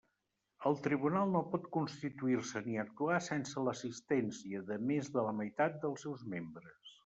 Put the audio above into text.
El Tribunal no pot constituir-se ni actuar sense l'assistència de més de la meitat dels seus membres.